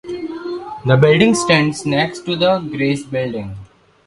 The building stands next to the Grace Building.